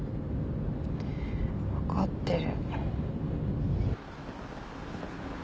分かってる。